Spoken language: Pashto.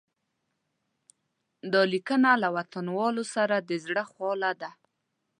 دا لیکنه له وطنوالو سره د زړه خواله ده.